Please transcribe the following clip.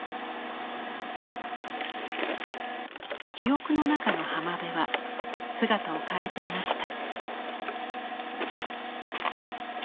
記憶の中の浜辺は姿を変えていました。